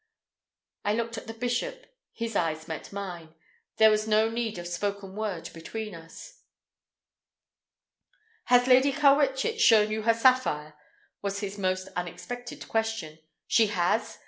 I looked at the bishop. His eyes met mine. There was no need of spoken word between us. "Has Lady Carwitchet shown you her sapphire?" was his most unexpected question. "She has?